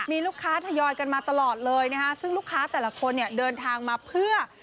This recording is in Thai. มีลูกค้าทยอยกันมาตลอดเลยนะคะซึ่งลูกค้าแต่ละคนเนี่ยเดินทางมาเพื่อ